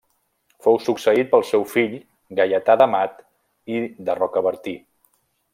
Fou succeït pel seu fill Gaietà d'Amat i de Rocabertí.